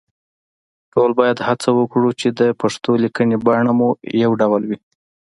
ټول باید هڅه وکړو چې د پښتو لیکنې بڼه مو يو ډول وي